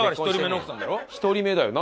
１人目だよ。